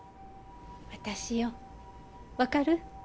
私よ分かる？